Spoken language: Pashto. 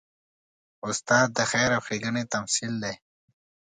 استاد د خیر او ښېګڼې تمثیل دی.